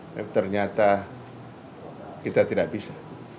tapi ternyata kita tidak bisa